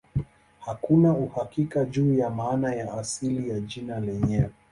Hakuna uhakika juu ya maana ya asili ya jina lenyewe.